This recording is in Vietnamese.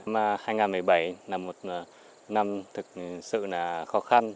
năm hai nghìn một mươi bảy là một năm thật sự khó khăn